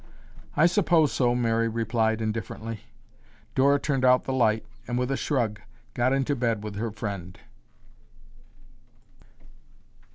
"I suppose so," Mary replied indifferently. Dora turned out the light and with a shrug got into bed with her friend.